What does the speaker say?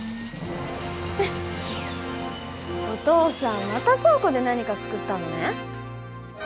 お父さんまた倉庫で何か作ったのね。